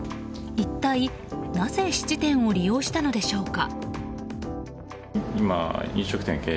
一体、なぜ質店を利用したのでしょうか。